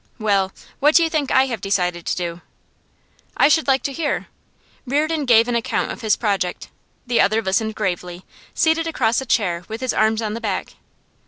Well, what do you think I have decided to do?' 'I should like to hear.' Reardon gave an account of his project. The other listened gravely, seated across a chair with his arms on the back.